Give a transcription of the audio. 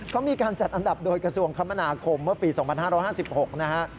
เขามีการจัดอันดับโดยกระทรวงคมนาคมเมื่อปี๒๕๕๖นะฮะ